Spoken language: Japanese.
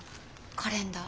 カレンダー。